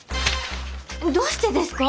どうしてですか？